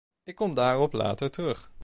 Ik kom daarop later terug.